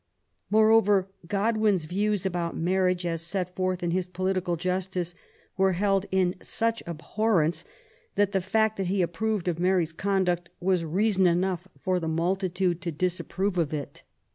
Moreover, Godwin's views about marriage, as set forth in his Political Justice^ were held in such abhorrence INTUODUCTION. Z that the fact that he approved of Mary's conduct was reason enough for the multitude to disapprove of it.